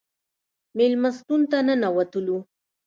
مېلمستون ته ننوتلو.